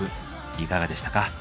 いかがでしたか？